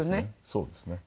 そうですね。